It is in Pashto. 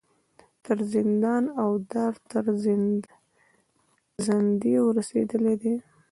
تر زندان او دار تر زندیو رسېدلي دي.